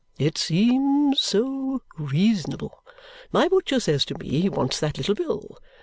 It seems so reasonable! My butcher says to me he wants that little bill.